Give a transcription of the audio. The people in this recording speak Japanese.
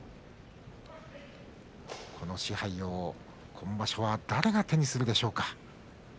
この賜盃、今場所は誰が手にするでしょうか。